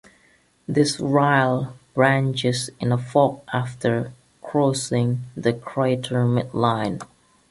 This rille branches in a fork after crossing the crater mid-line.